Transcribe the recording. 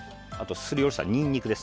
すりおろしたニンニクです。